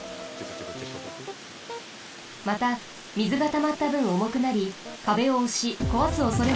またみずがたまったぶんおもくなりかべをおしこわすおそれもあります。